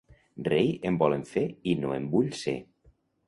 Rei em volen fer i no en vull ser.